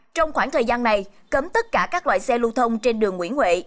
trong khoảng thời gian này cấm tất cả các loại xe lưu thông trên đường nguyễn huệ